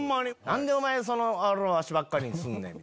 何でお前ワシばっかりすんねん！